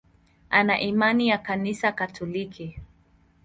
Ana imani ya Kanisa Katoliki.